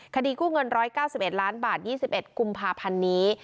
คดีกู้เงิน๑๙๑ล้านบาท๒๑กุมภาพันธ์นี้